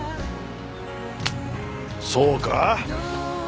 そうか？